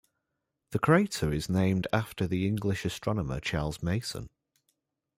The crater is named after the English astronomer Charles Mason.